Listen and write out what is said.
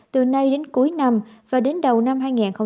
từ nay đến cuối năm và đến đầu năm hai nghìn hai mươi